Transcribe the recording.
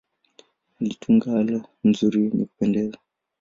Alitunga ala nzuri zenye kupendeza.